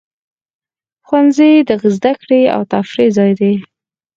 ښوونځی د زده کړې او تفریح ځای دی.